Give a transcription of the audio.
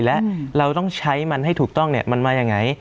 และเราต้องใช้มันให้ถูกต้องมันมายังไง